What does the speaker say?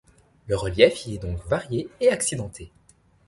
Le relief y est donc varié et accidenté.